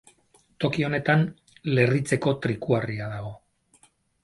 Toki honetan, Lerritzeko trikuharria dago.